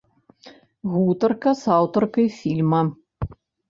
Гутарка з аўтаркай фільма.